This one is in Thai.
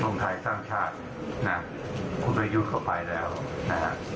ลงทายสร้างชาตินะฮะคุณไปยุดเข้าไปแล้วนะฮะ